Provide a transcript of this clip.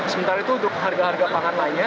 sementara itu untuk harga harga pangan lainnya